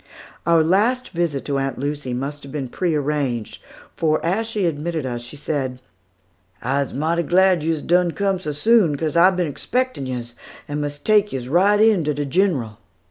Our last visit to Aunt Lucy must have been prearranged, for as she admitted us, she said, "I's mighty glad yos done come so soon, 'cos I been 'specting yos, and mus' take yos right in to de General."